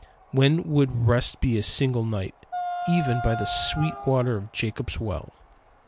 They would rest but a single night even by the sweet waters of Jacob's well.